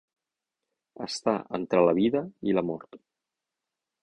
Estar entre la vida i la mort.